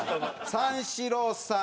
三四郎さん。